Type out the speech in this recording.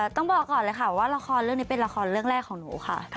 ต้องบอกก่อนเลยค่ะว่าละครเรื่องนี้เป็นละครเรื่องแรกของหนูค่ะ